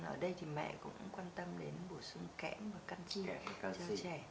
ở đây thì mẹ cũng quan tâm đến bổ sung kẽm và căn chi cho trẻ